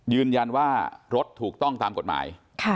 ยืนยันว่ารถถูกต้องตามกฎหมาย